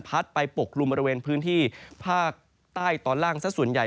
ไปปกลุ่มบริเวณพื้นที่ภาคใต้ตอนล่างสักส่วนใหญ่